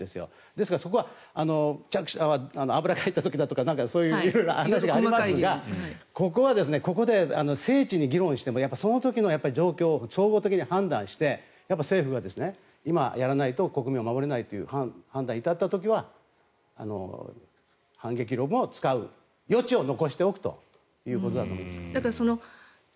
ですがそこは油が入った時とか色々、話がありますがここは議論してもその時の状況を総合的に判断して政府が今やらないと国民を守れないという判断に至った時は反撃能力を使う余地を残しておくということだと思います。